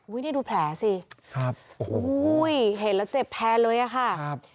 นี่ดูแผลสิครับโอ้โหเห็นแล้วเจ็บแทนเลยอะค่ะครับ